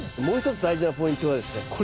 もう一つ大事なポイントはですね